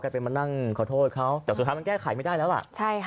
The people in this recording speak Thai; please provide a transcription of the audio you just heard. ไปมานั่งขอโทษเขาแต่สุดท้ายมันแก้ไขไม่ได้แล้วล่ะใช่ค่ะ